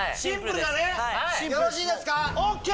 よろしいですか？